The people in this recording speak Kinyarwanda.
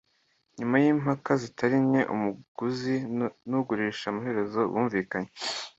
nyuma yimpaka zitari nke, umuguzi nugurisha amaherezo bumvikanye